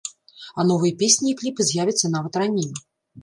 А новыя песні і кліпы з'явяцца нават раней.